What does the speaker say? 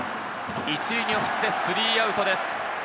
１塁に送って３アウトです。